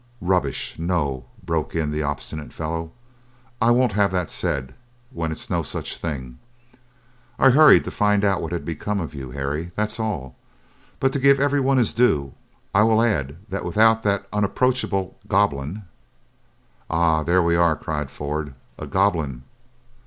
"Rubbish, no!" broke in the obstinate fellow. "I won't have that said, when it's no such thing. I hurried to find out what had become of you, Harry, that's all. But to give everyone his due, I will add that without that unapproachable goblin—" "Ah, there we are!" cried Ford. "A goblin!"